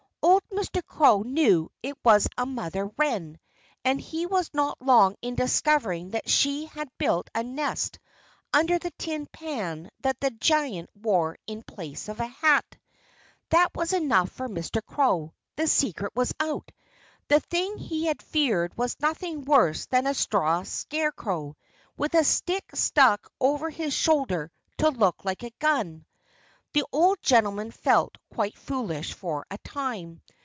Old Mr. Crow knew it was a mother wren; and he was not long in discovering that she had built a nest under the tin pan that the giant wore in place of a hat! That was enough for Mr. Crow. The secret was out! The thing he had feared was nothing worse than a straw scarecrow, with a stick stuck over its shoulder to look like a gun. The old gentleman felt quite foolish for a time.